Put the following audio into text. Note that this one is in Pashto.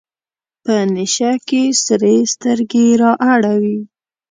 په نشه کې سرې سترګې رااړوي.